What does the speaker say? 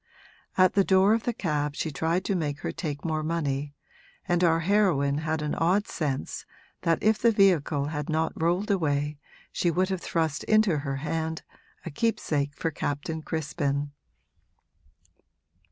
At the door of the cab she tried to make her take more money, and our heroine had an odd sense that if the vehicle had not rolled away she would have thrust into her hand a keepsake for Captain Crispin.